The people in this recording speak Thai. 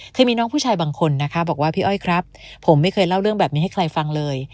จะมีน้องผู้ชายบางคนนะคะบอกว่าพี่อ้อยครับผมไม่เคยเล่าเรื่องแบบนี้ให้ใครฟังเลย